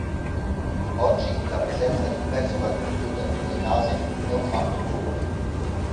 Oggi la presenza di un personal computer nelle case è un fatto comune.